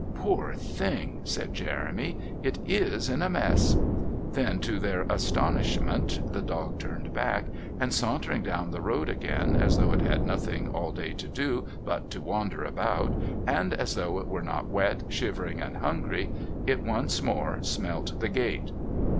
"Poor thing," said Jeremy. "It IS in a mess." Then to their astonishment the dog turned back and, sauntering down the road again as though it had nothing all day to do but to wander about, and as though it were not wet, shivering and hungry, it once more smelt the gate.